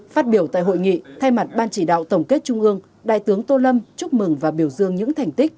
phát biểu tại hội nghị thay mặt ban chỉ đạo tổng kết trung ương đại tướng tô lâm chúc mừng và biểu dương những thành tích